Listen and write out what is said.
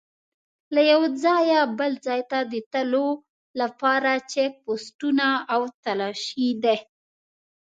له یوه ځایه بل ځای ته د تلو لپاره چیک پوسټونه او تلاشي دي.